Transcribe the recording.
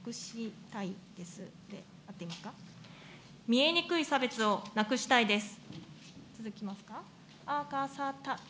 見えにくい差別をなくしたいです。